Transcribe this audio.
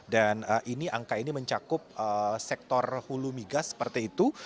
dan angka ini mencakup sektor hulu migas seperti itu